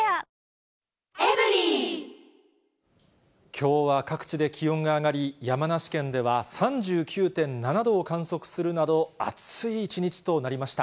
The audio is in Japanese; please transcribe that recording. きょうは各地で気温が上がり、山梨県では３９．７度を観測するなど、暑い一日となりました。